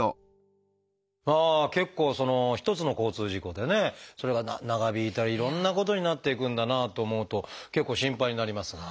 結構一つの交通事故でねそれが長引いたりいろんなことになっていくんだなと思うと結構心配になりますが。